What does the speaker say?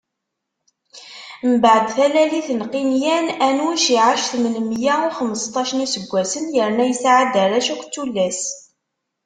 Mbeɛd talalit n Qiynan, Anuc iɛac tmen meyya u xemseṭṭac n iseggasen, yerna yesɛa-d arrac akked tullas.